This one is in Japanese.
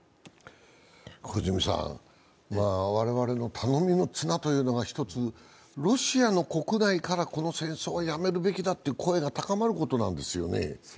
小泉さん、我々の頼みの綱というのが一つ、ロシア国内からこの戦争をやめるべきだという声が高まることなんですよね。